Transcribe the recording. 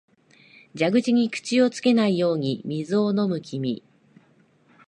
蛇口に口をつけないように水を飲む君、